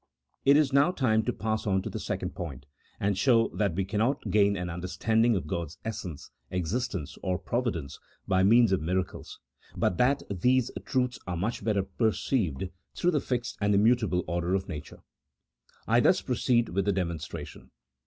It is now time to pass on to the second point, and show that we cannot gain an understanding of God's essence,, existence, or providence by means of miracles, but that these truths are much better perceived through the fixed and immutable order of nature. I thus proceed with the demonstration.